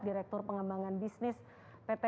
direktur pengembangan bisnis pt